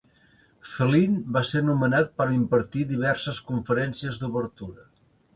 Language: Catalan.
Flint va ser nomenat per a impartir diverses conferències d'obertura.